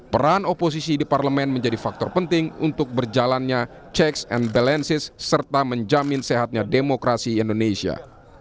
peran oposisi di parlemen menjadi faktor penting untuk berjalannya checks and balances serta menjamin sehatnya demokrasi indonesia